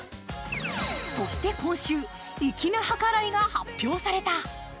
そして今週、粋な計らいが発表された。